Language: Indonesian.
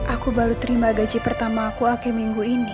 aku baru terima gaji pertama aku akhir minggu ini